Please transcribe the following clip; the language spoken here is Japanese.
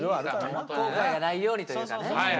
後悔がないようにというかね。